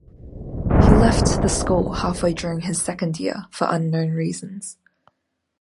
He left the school halfway during his second year, for unknown reasons.